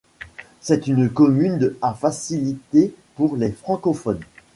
C'est une commune à facilités pour les francophones.